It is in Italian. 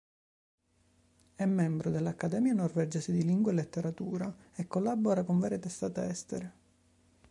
È membro dell'Accademia norvegese di Lingua e Letteratura, e collabora con varie testate estere.